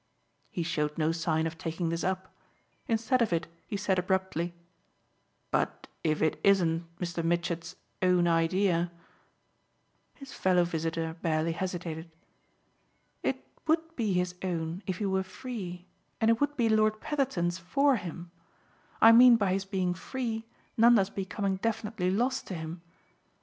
He showed no sign of taking this up; instead of it he said abruptly: "But if it isn't Mr. Mitchett's own idea?" His fellow visitor barely hesitated. "It would be his own if he were free and it would be Lord Petherton's FOR him. I mean by his being free Nanda's becoming definitely lost to him.